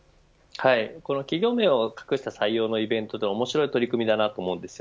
企業名を隠した採用のイベントで面白い取り組みだなと思います。